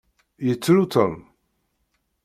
Yettru Tom.